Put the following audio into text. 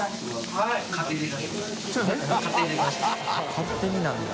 勝手になんだ。